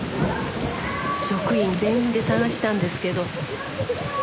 職員全員で捜したんですけど。